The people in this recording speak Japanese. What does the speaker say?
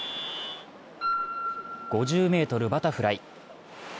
５０ｍバタフライ。